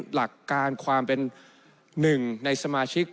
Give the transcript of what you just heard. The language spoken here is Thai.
หลักการความเป็นหนึ่งในสมาชิก